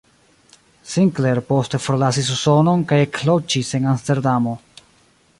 Sinclair poste forlasis Usonon kaj ekloĝis en Amsterdamo.